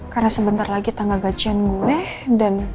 karena sebentar lagi tangga gajian gue dan